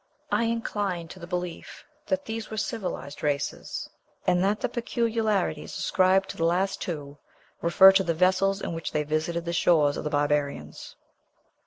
I incline to the belief that these were civilized races, and that the peculiarities ascribed to the last two refer to the vessels in which they visited the shores of the barbarians.